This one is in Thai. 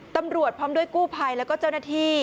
ตำรวจพร้อมด้วยกู้ภัยแล้วก็เจ้าหน้าที่